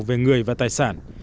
về người và tài sản